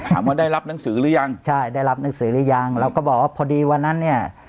ว่าได้รับหนังสือหรือยังใช่ได้รับหนังสือหรือยังเราก็บอกว่าพอดีวันนั้นเนี่ย